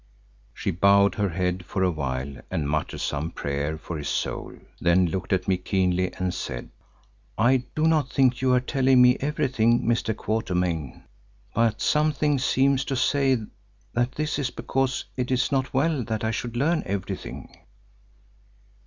She bowed her head for a while and muttered some prayer for his soul, then looked at me keenly and said, "I do not think you are telling me everything, Mr. Quatermain, but something seems to say that this is because it is not well that I should learn everything."